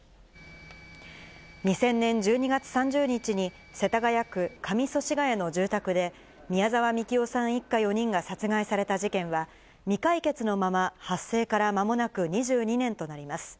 ２０００年１２月３０日に、世田谷区上祖師谷の住宅で、宮沢みきおさん一家４人が殺害された事件は、未解決のまま、発生からまもなく２２年となります。